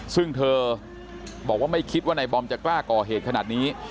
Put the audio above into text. ซึ่งเธอบอกว่าไม่คิดว่านายบอมจะกล้าก่อเหตุขนาดนี้